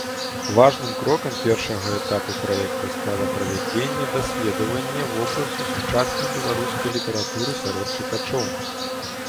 Важным крокам першага этапу праекта стала правядзенне даследавання вобразу сучаснай беларускай літаратуры сярод чытачоў.